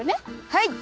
はい！